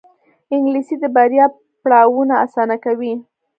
انګلیسي د بریا پړاوونه اسانه کوي